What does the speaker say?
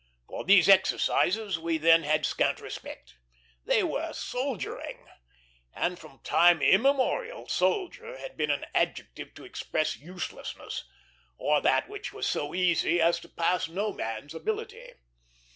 For these exercises we then had scant respect. They were "soldiering;" and from time immemorial soldier had been an adjective to express uselessness, or that which was so easy as to pass no man's ability.